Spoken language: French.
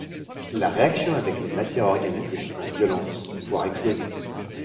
La réaction avec les matières organiques est souvent violente, voire explosive.